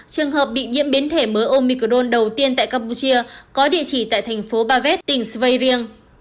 trường hợp bị nhiễm biến thể mới omicron đầu tiên tại campuchia có địa chỉ tại thành phố bavet tỉnh sveirieng